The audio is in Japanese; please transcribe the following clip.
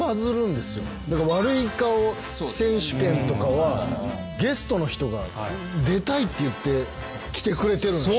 悪い顔選手権とかはゲストの人が出たいって言って来てくれてるんでしょ？